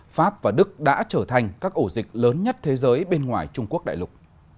pháp và đức đã trở thành các ổ dịch lớn nhất thế giới bên ngoài trung quốc đại lục